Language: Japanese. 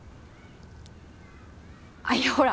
いやほら